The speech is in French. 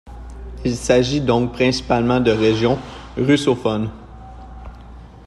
Il s'agit donc principalement de régions russophones.